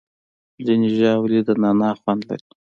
ځینې ژاولې د نعناع خوند لري.